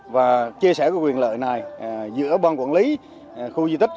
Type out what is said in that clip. và chia sẻ cái quyền lợi này giữa ban quản lý khu du tích